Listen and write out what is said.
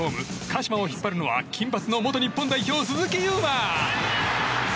鹿島を引っ張るのは金髪の元日本代表、鈴木優磨！